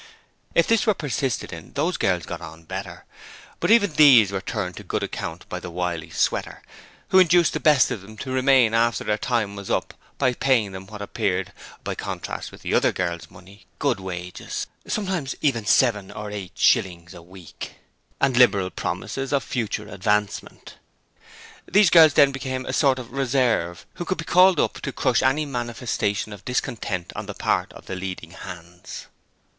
If this were persisted in those girls got on better: but even these were turned to good account by the wily Sweater, who induced the best of them to remain after their time was up by paying them what appeared by contrast with the others girls' money good wages, sometimes even seven or eight shillings a week! and liberal promises of future advancement. These girls then became a sort of reserve who could be called up to crush any manifestation of discontent on the part of the leading hands.